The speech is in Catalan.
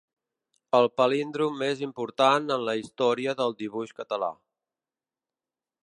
El palíndrom més important en la història del dibuix català.